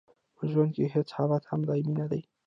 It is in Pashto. په ژوند کې هیڅ حالت هم دایمي نه دی.